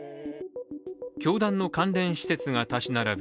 教団の関連施設が立ち並ぶ